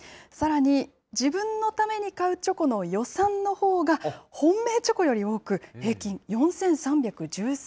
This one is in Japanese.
さらに、自分のために買うチョコの予算のほうが本命チョコより多く、平均４３１３円。